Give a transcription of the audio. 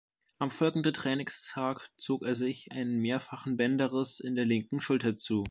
Am folgenden Trainingstag zog er sich einen mehrfachen Bänderriss in der linken Schulter zu.